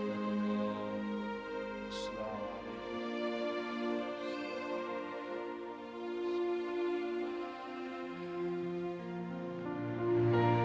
jangan pernah marah sama allah